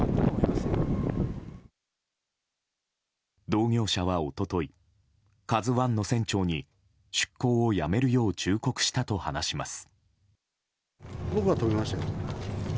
同業者は一昨日「ＫＡＺＵ１」の船長に出航をやめるよう忠告したと話します。